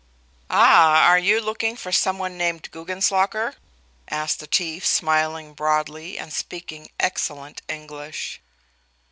"Ah, you are looking for some one named Guggenslocker?" asked the Chief, smiling broadly and speaking excellent English.